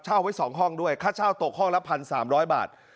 เช่าไว้สองห้องด้วยค่าเช่าตกห้องละพันสามร้อยบาท